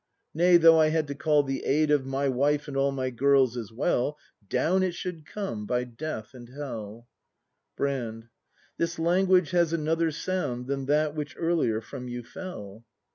Nay, though I had to call the aid of My wife and all my girls as well, Down it should come, by death and hell Brand. This language has another sound Than that which earlier from you fell.